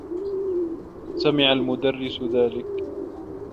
سمع المدرّس ذلك.